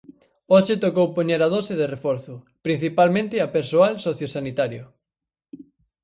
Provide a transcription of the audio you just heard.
Hoxe tocou poñer a dose de reforzo, principalmente a persoal sociosanitario.